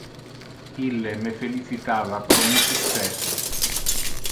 Ille me felicitava pro mi successo.